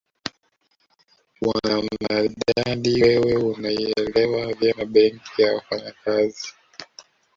Bwana Maridadi wewe unaielewa vyema Benki ya Wafanyakazi